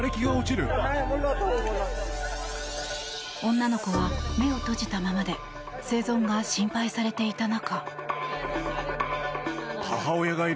女の子は目を閉じたままで生存が心配されていた中。